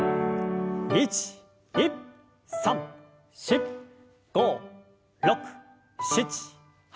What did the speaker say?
１２３４５６７８。